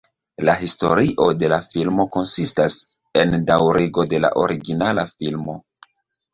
La historio de la filmo konsistas en daŭrigo de la originala filmo.